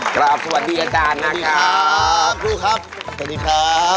สวัสดีอาจารย์นะครับครูครับสวัสดีครับ